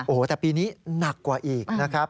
โอ้โหแต่ปีนี้หนักกว่าอีกนะครับ